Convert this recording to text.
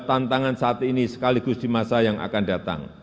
tantangan saat ini sekaligus di masa yang akan datang